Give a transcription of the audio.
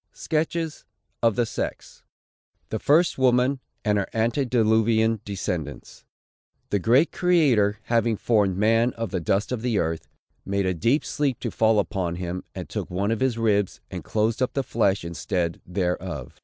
SKETCHES OF "THE SEX." THE FIRST WOMAN, AND HER ANTEDILUVIAN DESCENDANTS. The great Creator, having formed man of the dust of the earth, "made a deep sleep to fall upon him, and took one of his ribs, and closed up the flesh instead thereof.